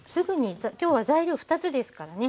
今日は材料２つですからね。